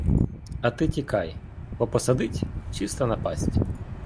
А ти тікай, бо посадить — чиста напасть!